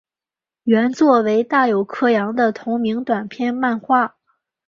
原作为大友克洋的同名短篇漫画。